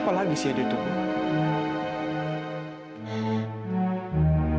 mama harus tahu evita yang salah